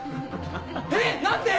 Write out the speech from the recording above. えっ何で？